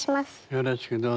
よろしくどうぞ。